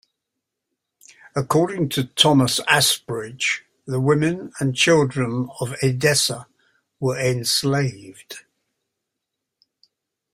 According to Thomas Asbridge, the women and children of Edessa were enslaved.